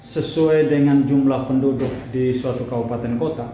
sesuai dengan jumlah penduduk di suatu kabupaten kota